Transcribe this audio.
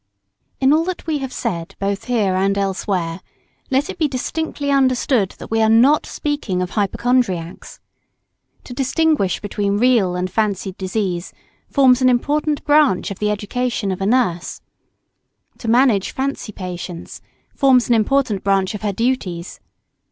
[Sidenote: Difference between real and fancy patients.] In all that we have said, both here and elsewhere, let it be distinctly understood that we are not speaking of hypochondriacs. To distinguish between real and fancied disease forms an important branch of the education of a nurse. To manage fancy patients forms an important branch of her duties.